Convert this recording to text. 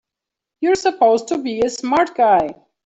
You're supposed to be a smart guy!